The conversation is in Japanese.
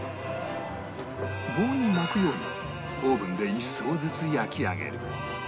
棒に巻くようにオーブンで１層ずつ焼き上げる